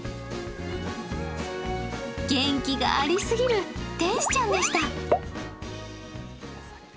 元気がありすぎる天使ちゃんでした。